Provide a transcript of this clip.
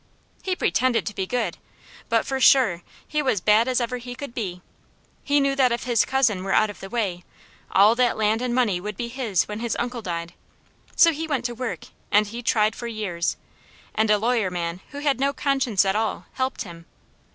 He pretended to be good, but for sure, he was bad as ever he could be. He knew that if his cousin were out of the way, all that land and money would be his when his uncle died. So he went to work and he tried for years, and a lawyer man who had no conscience at all, helped him.